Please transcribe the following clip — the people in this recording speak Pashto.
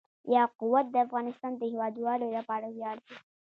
یاقوت د افغانستان د هیوادوالو لپاره ویاړ دی.